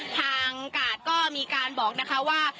ทางกาดก็มีการบอกนะคะว่า